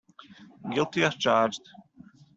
Guilty as charged.